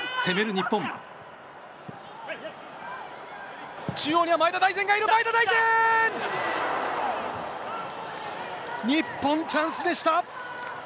日本、チャンスでした。